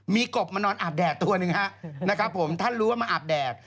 มีกบมานอนอาบแดดตัวหนึ่งฮะนะครับผมท่านรู้ว่ามาอาบแดด